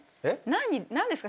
何何ですか？